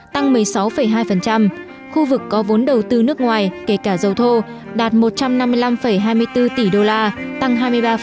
tăng một mươi sáu hai khu vực có vốn đầu tư nước ngoài kể cả dầu thô đạt một trăm năm mươi năm hai mươi bốn tỷ đô la tăng hai mươi ba